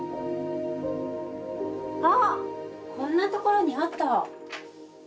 あっこんな所にあった！